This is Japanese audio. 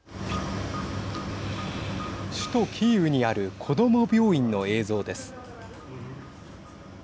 首都キーウにある子ども病院の映像です。